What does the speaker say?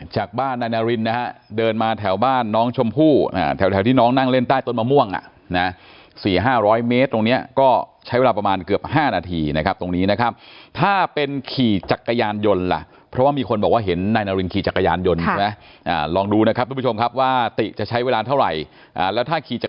จากบ้านนายนารินนะฮะเดินมาแถวบ้านน้องชมพู่แถวที่น้องนั่งเล่นใต้ต้นมะม่วงอ่ะนะ๔๕๐๐เมตรตรงนี้ก็ใช้เวลาประมาณเกือบ๕นาทีนะครับตรงนี้นะครับถ้าเป็นขี่จักรยานยนต์ล่ะเพราะว่ามีคนบอกว่าเห็นนายนารินขี่จักรยานยนต์ใช่ไหมลองดูนะครับทุกผู้ชมครับว่าติจะใช้เวลาเท่าไหร่แล้วถ้าขี่จาก